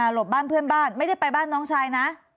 หลบบ้านเพื่อนบ้านไม่ได้ไปบ้านน้องชายนะ